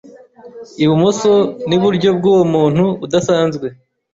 Ibumoso na Iburyo bwuwo muntu udasanzwe